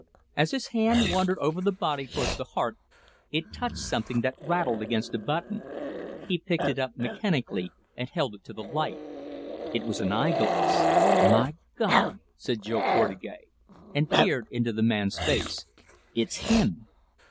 As his hand wandered over the body towards the heart, it touched something that rattled against a button. He picked it up mechanically and held it to the light. It was an eye glass. "My God!" said Jo Portugais, and peered into the man's face. "It's him."